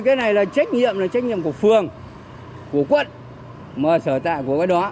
cái này là trách nhiệm là trách nhiệm của phường của quận mà sở tại của cái đó